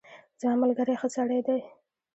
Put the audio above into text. زما ملګری ښه سړی دی.